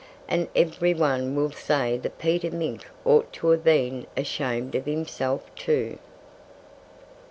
And every one will say that Peter Mink ought to have been ashamed of himself, too.